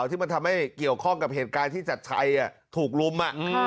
ที่มันทำให้เกี่ยวข้องกับเหตุการณ์ที่จัดชัยถูกรุม